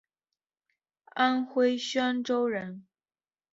安徽宣州人。